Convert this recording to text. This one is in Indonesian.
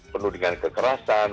penuh dengan kekerasan